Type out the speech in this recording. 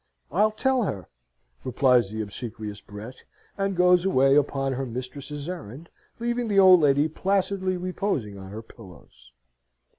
"I'll tell her," replies the obsequious Brett, and goes away upon her mistress's errand, leaving the old lady placidly reposing on her pillows.